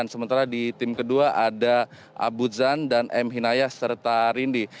sementara di tim kedua ada abudzan dan m hinaya serta rindi